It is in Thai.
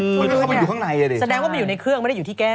มันก็เข้าไปอยู่ข้างในอ่ะดิแสดงว่ามันอยู่ในเครื่องไม่ได้อยู่ที่แก้ว